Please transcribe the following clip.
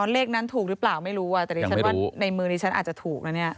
อ๋อเลขนั้นถูกหรือเปล่าไม่รู้อ่ะยังไม่รู้แต่ดิฉันว่าในมือดิฉันอาจจะถูกแล้วเนี้ย